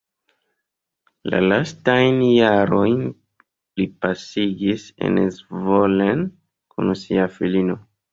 La lastajn jarojn li pasigis en Zvolen kun sia filino.